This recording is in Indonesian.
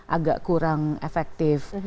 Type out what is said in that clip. agak kurang efektif